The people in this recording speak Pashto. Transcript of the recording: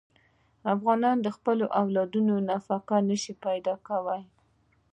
افغانان د خپلو اولادونو نفقه نه شي پیدا کولی.